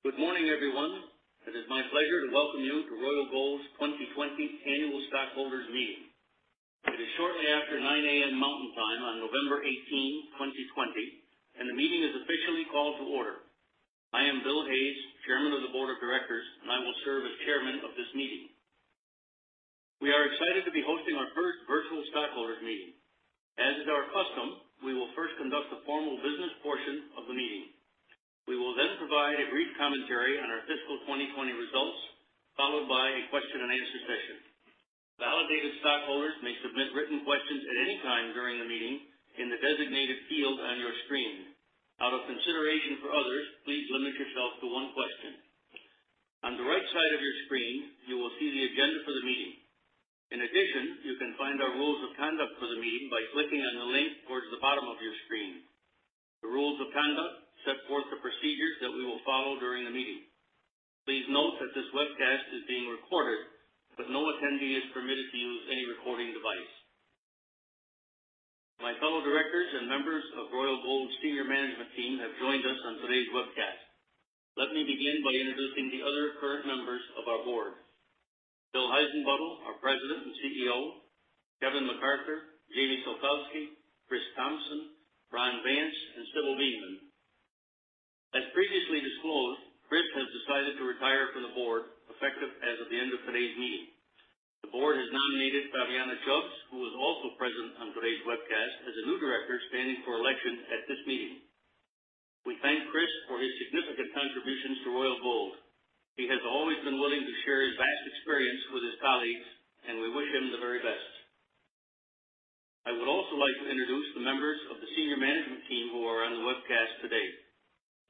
Good morning, everyone. It is my pleasure to welcome you to Royal Gold's 2020 Annual Stockholders Meeting. It is shortly after 9:00 A.M. Mountain Time on November 18, 2020, and the meeting is officially called to order. I am Bill Hayes, Chairman of the Board of Directors, and I will serve as Chairman of this meeting. We are excited to be hosting our first virtual stockholders meeting. As is our custom, we will first conduct the formal business portion of the meeting. We will then provide a brief commentary on our fiscal 2020 results, followed by a question and answer session. Validated stockholders may submit written questions at any time during the meeting in the designated field on your screen. Out of consideration for others, please limit yourself to one question. On the right side of your screen, you will see the agenda for the meeting. In addition, you can find our rules of conduct for the meeting by clicking on the link towards the bottom of your screen. The rules of conduct set forth the procedures that we will follow during the meeting. Please note that this webcast is being recorded, but no attendee is permitted to use any recording device. My fellow directors and members of Royal Gold's senior management team have joined us on today's webcast. Let me begin by introducing the other current members of our board. Bill Heissenbuttel, our President and CEO, Kevin McArthur, Jamie Sokalsky, Chris Thompson, Brian Vance, and Sybil Veenman. As previously disclosed, Chris has decided to retire from the board, effective as of the end of today's meeting. The board has nominated Fabiana Chubbs, who is also present on today's webcast, as a new director standing for election at this meeting. We thank Chris for his significant contributions to Royal Gold. He has always been willing to share his vast experience with his colleagues, and we wish him the very best. I would also like to introduce the members of the Senior Management Team who are on the webcast today.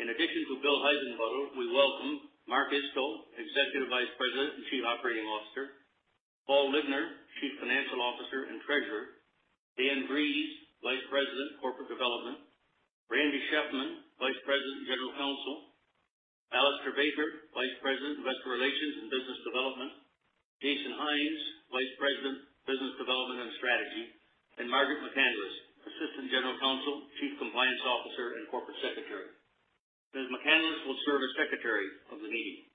In addition to Bill Heissenbuttel, we welcome Mark Isto, Executive Vice President and Chief Operating Officer, Paul Libner, Chief Financial Officer and Treasurer, Dan Breeze, Vice President, Corporate Development, Randy Shefman, Vice President and General Counsel, Alistair Baker, Vice President, Investor Relations and Business Development, Jason Hynes, Vice President, Business Development and Strategy, and Margaret McCandless, Assistant General Counsel, Chief Compliance Officer, and Corporate Secretary. Ms. McCandless will serve as Secretary of the meeting.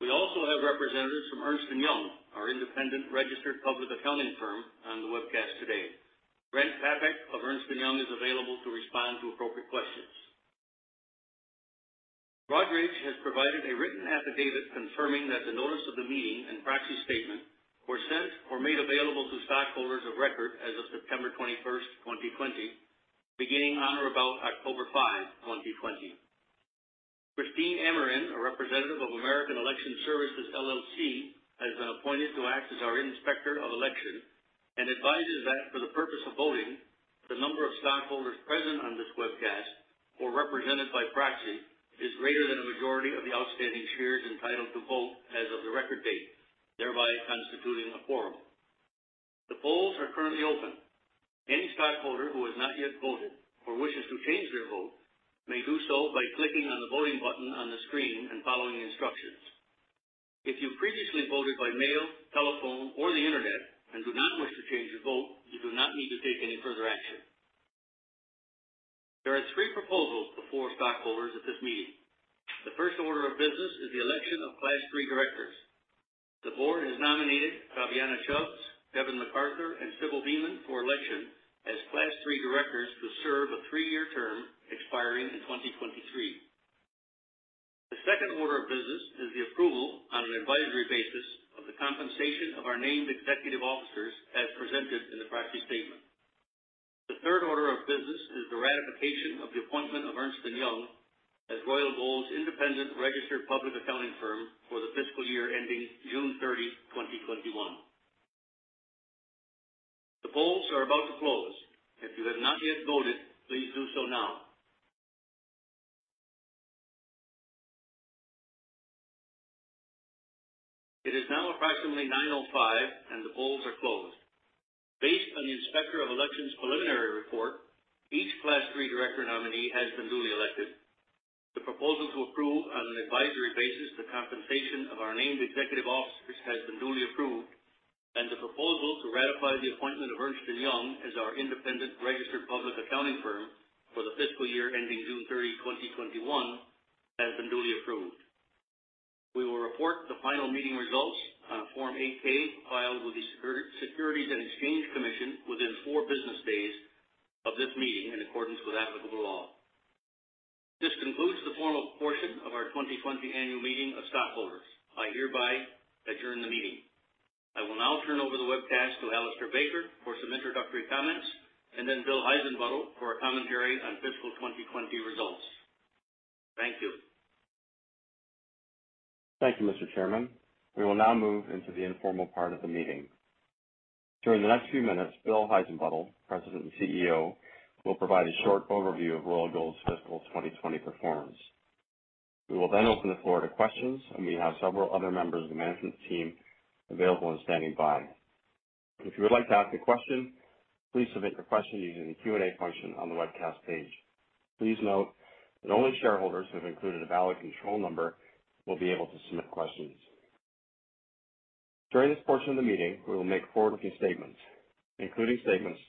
We also have representatives from Ernst & Young, our independent registered public accounting firm, on the webcast today. Brent Pape of Ernst & Young is available to respond to appropriate questions. Broadridge has provided a written affidavit confirming that the notice of the meeting and proxy statement were sent or made available to stockholders of record as of September 21st, 2020, beginning on or about October 5, 2020. Christine Amrhein, a representative of American Election Services, LLC, has been appointed to act as our Inspector of Election and advises that for the purpose of voting, the number of stockholders present on this webcast or represented by proxy is greater than a majority of the outstanding shares entitled to vote as of the record date, thereby constituting a forum. The polls are currently open. Any stockholder who has not yet voted or wishes to change their vote may do so by clicking on the voting button on the screen and following the instructions. If you previously voted by mail, telephone, or the Internet and do not wish to change your vote, you do not need to take any further action. There are three proposals before stockholders at this meeting. The first order of business is the election of Class III directors. The board has nominated Fabiana Chubbs, Kevin McArthur, and Sybil Veenman for election as Class III directors to serve a three-year term expiring in 2023. The second order of business is the approval on an advisory basis of the compensation of our named executive officers as presented in the proxy statement. The third order of business is the ratification of the appointment of Ernst & Young as Royal Gold's independent registered public accounting firm for the fiscal year ending June 30, 2021. The polls are about to close. If you have not yet voted, please do so now. It is now approximately 9:05 A.M., and the polls are closed. Based on the Inspector of Elections' preliminary report, each Class III director nominee has been duly elected. The proposal to approve on an advisory basis the compensation of our named executive officers has been duly approved, and the proposal to ratify the appointment of Ernst & Young as our independent registered public accounting firm for the fiscal year ending June 30, 2021, has been duly approved. We will report the final meeting results on Form 8-K filed with the Securities and Exchange Commission within four business days of this meeting in accordance with applicable law. This concludes the formal portion of our 2020 annual meeting of stockholders. I hereby adjourn the meeting. I will now turn over the webcast to Alistair Baker for some introductory comments, and then Bill Heissenbuttel for a commentary on fiscal 2020 results. Thank you. Thank you, Mr. Chairman. We will now move into the informal part of the meeting. During the next few minutes, Bill Heissenbuttel, President and CEO, will provide a short overview of Royal Gold's fiscal 2020 performance. We will then open the floor to questions, and we have several other members of the management team available and standing by. If you would like to ask a question, please submit your question using the Q&A function on the webcast page. Please note that only shareholders who have included a valid control number will be able to submit questions. During this portion of the meeting, we will make forward-looking statements, including statements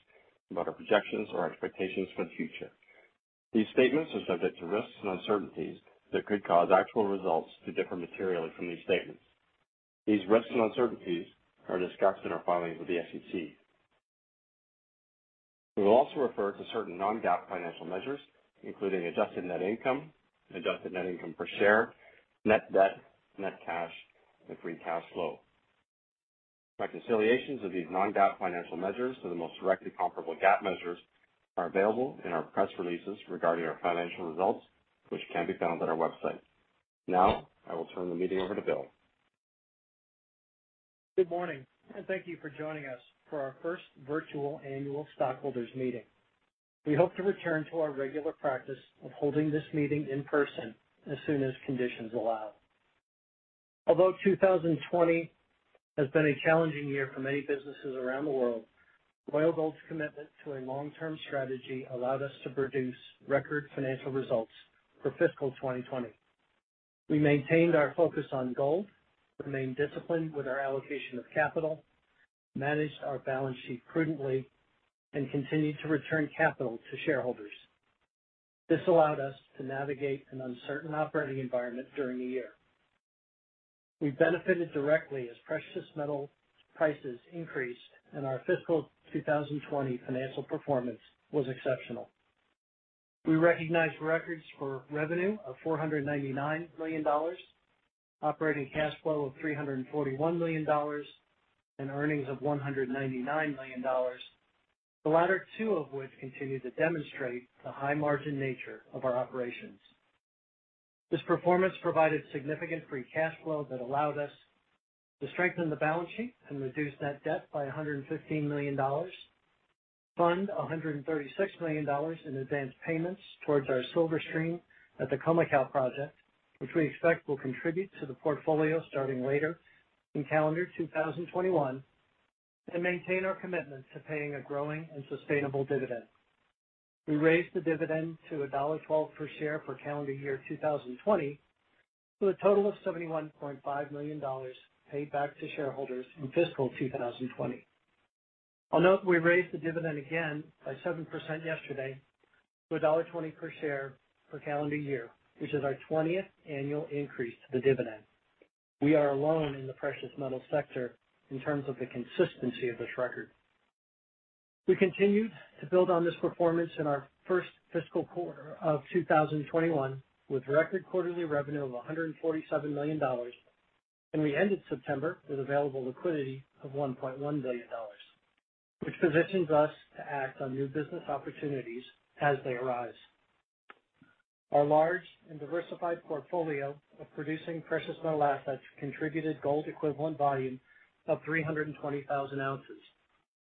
about our projections or expectations for the future. These statements are subject to risks and uncertainties that could cause actual results to differ materially from these statements. These risks and uncertainties are discussed in our filings with the SEC. We will also refer to certain non-GAAP financial measures, including adjusted net income, adjusted net income per share, net debt, net cash, and free cash flow. Reconciliations of these non-GAAP financial measures to the most directly comparable GAAP measures are available in our press releases regarding our financial results, which can be found on our website. I will turn the meeting over to Bill. Good morning, and thank you for joining us for our first virtual annual stockholders meeting. We hope to return to our regular practice of holding this meeting in person as soon as conditions allow. Although 2020 has been a challenging year for many businesses around the world, Royal Gold's commitment to a long-term strategy allowed us to produce record financial results for fiscal 2020. We maintained our focus on gold, remained disciplined with our allocation of capital, managed our balance sheet prudently, and continued to return capital to shareholders. This allowed us to navigate an uncertain operating environment during the year. We benefited directly as precious metal prices increased, and our fiscal 2020 financial performance was exceptional. We recognized records for revenue of $499 million, operating cash flow of $341 million, and earnings of $199 million, the latter two of which continue to demonstrate the high-margin nature of our operations. This performance provided significant free cash flow that allowed us to strengthen the balance sheet and reduce net debt by $115 million, fund $136 million in advance payments towards our silver stream at the Khoemacau project, which we expect will contribute to the portfolio starting later in calendar 2021, and maintain our commitment to paying a growing and sustainable dividend. We raised the dividend to $1.12 per share for calendar year 2020, with a total of $71.5 million paid back to shareholders in fiscal 2020. I'll note we raised the dividend again by 7% yesterday to $1.20 per share per calendar year, which is our 20th annual increase to the dividend. We are alone in the precious metal sector in terms of the consistency of this record. We continued to build on this performance in our first fiscal quarter of 2021 with record quarterly revenue of $147 million, and we ended September with available liquidity of $1.1 billion, which positions us to act on new business opportunities as they arise. Our large and diversified portfolio of producing precious metal assets contributed gold equivalent volume of 320,000 ounces,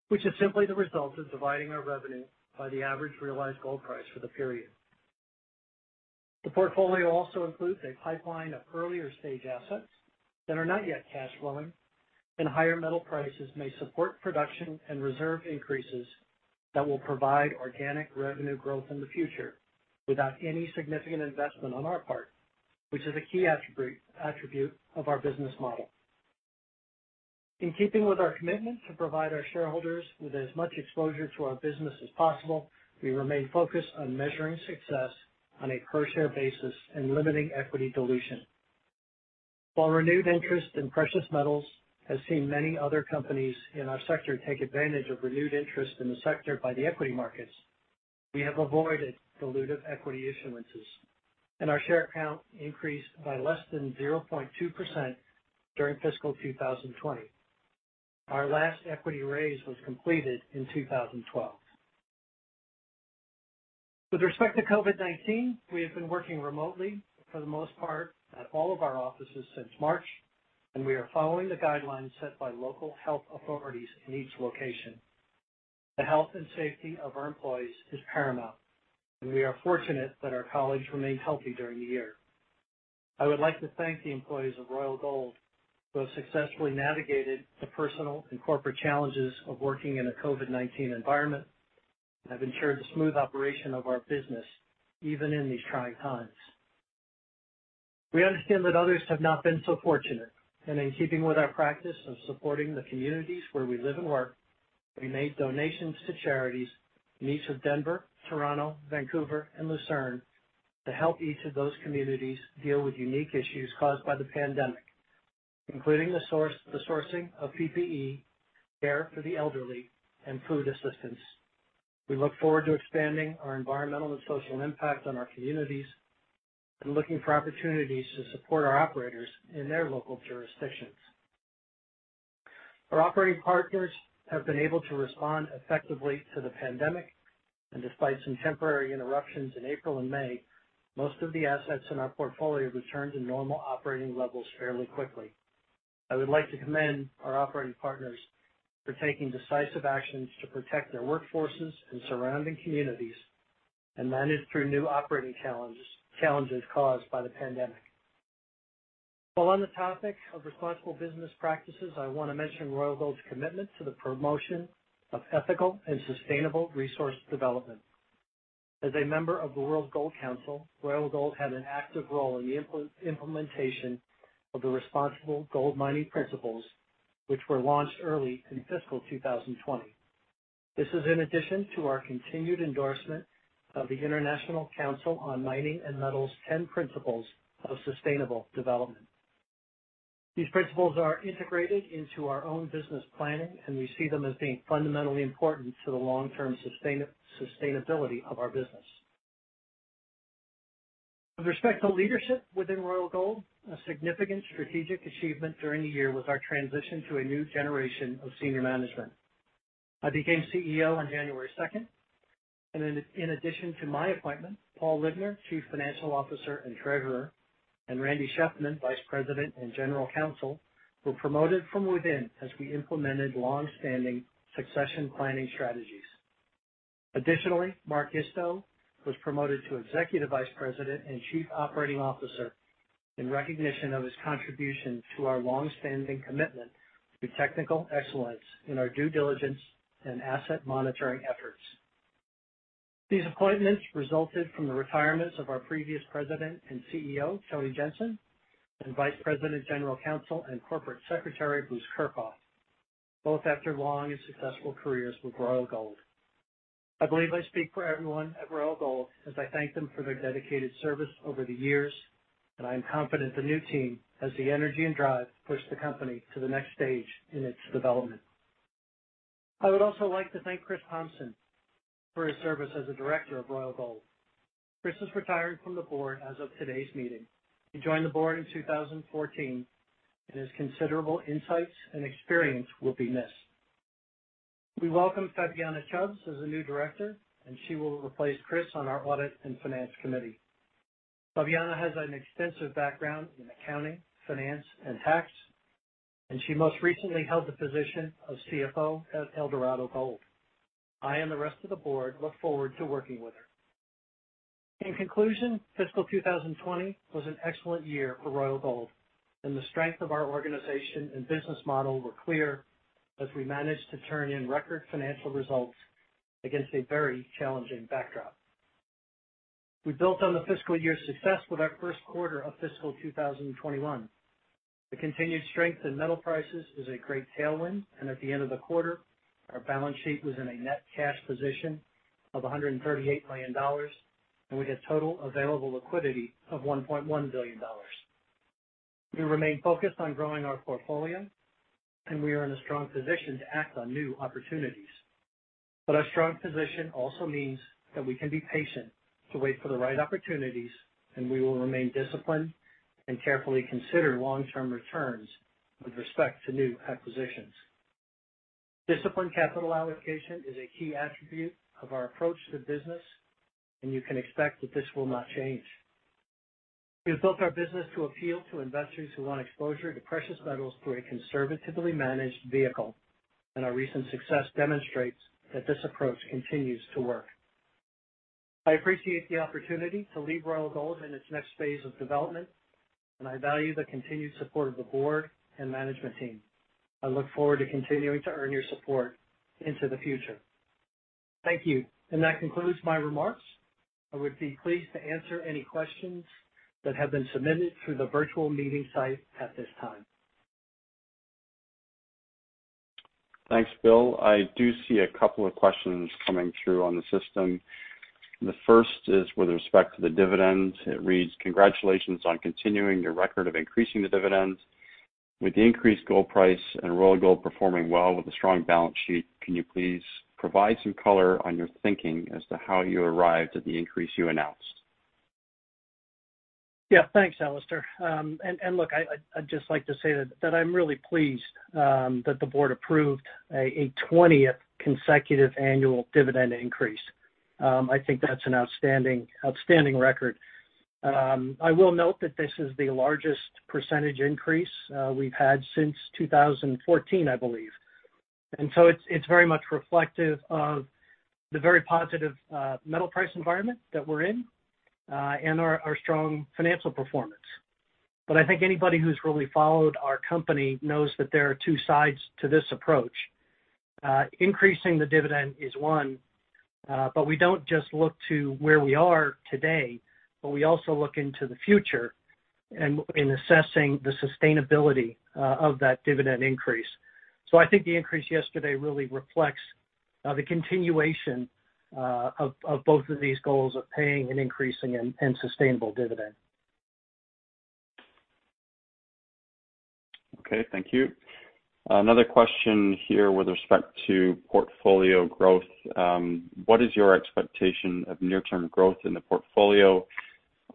which is simply the result of dividing our revenue by the average realized gold price for the period. The portfolio also includes a pipeline of earlier-stage assets that are not yet cash flowing, and higher metal prices may support production and reserve increases that will provide organic revenue growth in the future without any significant investment on our part, which is a key attribute of our business model. In keeping with our commitment to provide our shareholders with as much exposure to our business as possible, we remain focused on measuring success on a per-share basis and limiting equity dilution. While renewed interest in precious metals has seen many other companies in our sector take advantage of renewed interest in the sector by the equity markets, we have avoided dilutive equity issuances, and our share count increased by less than 0.2% during fiscal 2020. Our last equity raise was completed in 2012. With respect to COVID-19, we have been working remotely for the most part at all of our offices since March, and we are following the guidelines set by local health authorities in each location. The health and safety of our employees is paramount, and we are fortunate that our colleagues remained healthy during the year. I would like to thank the employees of Royal Gold who have successfully navigated the personal and corporate challenges of working in a COVID-19 environment and have ensured the smooth operation of our business, even in these trying times. We understand that others have not been so fortunate, and in keeping with our practice of supporting the communities where we live and work, we made donations to charities in each of Denver, Toronto, Vancouver, and Luzern to help each of those communities deal with unique issues caused by the pandemic, including the sourcing of PPE, care for the elderly, and food assistance. We look forward to expanding our environmental and social impact on our communities and looking for opportunities to support our operators in their local jurisdictions. Our operating partners have been able to respond effectively to the pandemic, and despite some temporary interruptions in April and May, most of the assets in our portfolio returned to normal operating levels fairly quickly. I would like to commend our operating partners for taking decisive actions to protect their workforces and surrounding communities and manage through new operating challenges caused by the pandemic. While on the topic of responsible business practices, I want to mention Royal Gold's commitment to the promotion of ethical and sustainable resource development. As a member of the World Gold Council, Royal Gold had an active role in the implementation of the Responsible Gold Mining Principles, which were launched early in fiscal 2020. This is in addition to our continued endorsement of the International Council on Mining and Metals' 10 Principles of Sustainable Development. These principles are integrated into our own business planning, and we see them as being fundamentally important to the long-term sustainability of our business. With respect to leadership within Royal Gold, a significant strategic achievement during the year was our transition to a new generation of senior management. I became CEO on January 2nd, and in addition to my appointment, Paul Libner, Chief Financial Officer and Treasurer, and Randy Shefman, Vice President and General Counsel, were promoted from within as we implemented long-standing succession planning strategies. Additionally, Mark Isto was promoted to Executive Vice President and Chief Operating Officer in recognition of his contribution to our long-standing commitment to technical excellence in our due diligence and asset monitoring efforts. These appointments resulted from the retirements of our previous president and CEO, Tony Jensen, and vice president, general counsel, and corporate secretary, Bruce Kirchhoff, both after long and successful careers with Royal Gold. I believe I speak for everyone at Royal Gold as I thank them for their dedicated service over the years, and I am confident the new team has the energy and drive to push the company to the next stage in its development. I would also like to thank Chris Thompson for his service as a director of Royal Gold. Chris is retiring from the board as of today's meeting. He joined the board in 2014, and his considerable insights and experience will be missed. We welcome Fabiana Chubbs as the new director, and she will replace Chris on our Audit and Finance Committee. Fabiana has an extensive background in accounting, finance, and tax, and she most recently held the position of CFO at Eldorado Gold. I and the rest of the board look forward to working with her. In conclusion, fiscal 2020 was an excellent year for Royal Gold, and the strength of our organization and business model were clear as we managed to turn in record financial results against a very challenging backdrop. We built on the fiscal year's success with our first quarter of fiscal 2021. The continued strength in metal prices is a great tailwind, and at the end of the quarter, our balance sheet was in a net cash position of $138 million, and we had total available liquidity of $1.1 billion. We remain focused on growing our portfolio, and we are in a strong position to act on new opportunities. Our strong position also means that we can be patient to wait for the right opportunities, and we will remain disciplined and carefully consider long-term returns with respect to new acquisitions. Disciplined capital allocation is a key attribute of our approach to business, and you can expect that this will not change. We have built our business to appeal to investors who want exposure to precious metals through a conservatively managed vehicle, and our recent success demonstrates that this approach continues to work. I appreciate the opportunity to lead Royal Gold in its next phase of development, and I value the continued support of the board and management team. I look forward to continuing to earn your support into the future. Thank you. That concludes my remarks. I would be pleased to answer any questions that have been submitted through the virtual meeting site at this time. Thanks, Bill. I do see a couple of questions coming through on the system. The first is with respect to the dividend. It reads, "Congratulations on continuing your record of increasing the dividend. With the increased gold price and Royal Gold performing well with a strong balance sheet, can you please provide some color on your thinking as to how you arrived at the increase you announced? Yeah. Thanks, Alistair. Look, I'd just like to say that I'm really pleased that the board approved a 20th consecutive annual dividend increase. I think that's an outstanding record. I will note that this is the largest percentage increase we've had since 2014, I believe. It's very much reflective of the very positive metal price environment that we're in, and our strong financial performance. I think anybody who's really followed our company knows that there are two sides to this approach. Increasing the dividend is one, but we don't just look to where we are today, but we also look into the future in assessing the sustainability of that dividend increase. I think the increase yesterday really reflects the continuation of both of these goals of paying an increasing and sustainable dividend. Okay, thank you. Another question here with respect to portfolio growth. What is your expectation of near-term growth in the portfolio?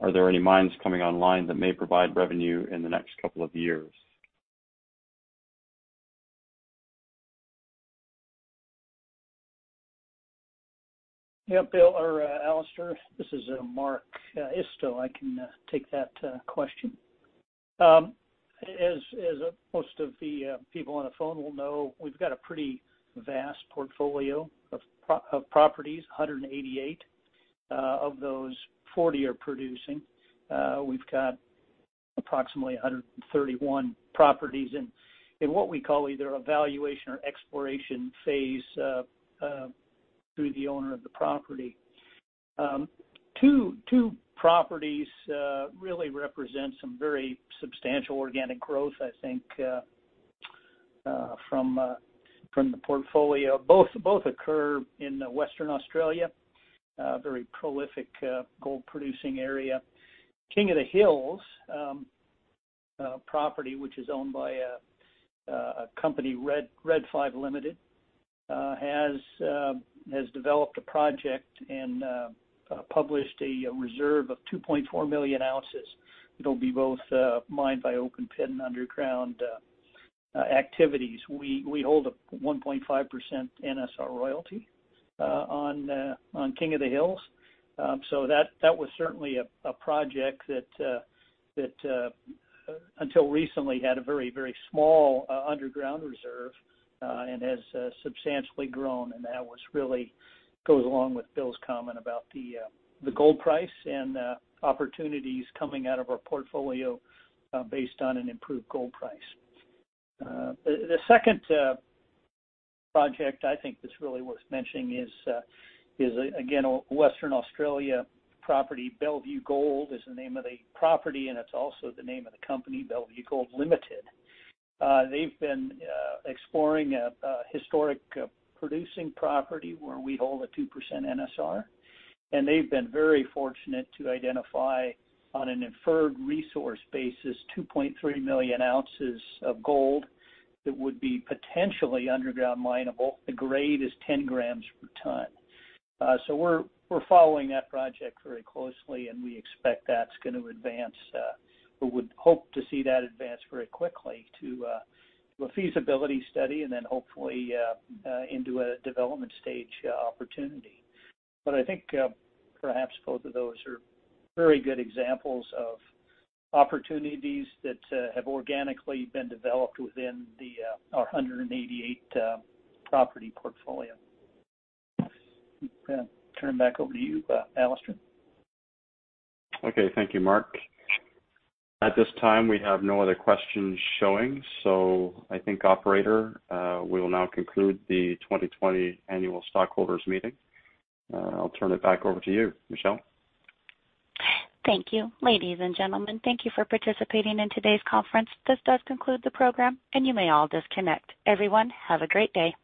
Are there any mines coming online that may provide revenue in the next couple of years? Yeah, Alistair, this is Mark Isto. I can take that question. As most of the people on the phone will know, we've got a pretty vast portfolio of properties, 188. Of those, 40 are producing. We've got approximately 131 properties in what we call either evaluation or exploration phase through the owner of the property. Two properties really represent some very substantial organic growth, I think, from the portfolio. Both occur in Western Australia, a very prolific gold-producing area. King of the Hills property, which is owned by a company, Red 5 Limited, has developed a project and published a reserve of 2.4 million ounces that'll be both mined by open pit and underground activities. We hold a 1.5% NSR royalty on King of the Hills. That was certainly a project that, until recently, had a very small underground reserve and has substantially grown. That really goes along with Bill's comment about the gold price and opportunities coming out of our portfolio based on an improved gold price. The second project I think that's really worth mentioning is, again, a Western Australia property. Bellevue Gold is the name of the property, and it's also the name of the company, Bellevue Gold Limited. They've been exploring a historic producing property where we hold a 2% NSR, and they've been very fortunate to identify, on an inferred resource basis, 2.3 million ounces of gold that would be potentially underground mineable. The grade is 10 g per ton. We're following that project very closely, and we expect that's going to advance. We would hope to see that advance very quickly to a feasibility study and then hopefully into a development stage opportunity. I think perhaps both of those are very good examples of opportunities that have organically been developed within our 188 property portfolio. I'm going to turn it back over to you, Alistair. Okay. Thank you, Mark. At this time, we have no other questions showing. I think, operator, we will now conclude the 2020 annual stockholders meeting. I'll turn it back over to you, Michelle. Thank you. Ladies and gentlemen, thank you for participating in today's conference. This does conclude the program, and you may all disconnect. Everyone, have a great day.